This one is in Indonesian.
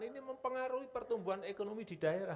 ini mempengaruhi pertumbuhan ekonomi di daerah